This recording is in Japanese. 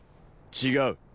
違う。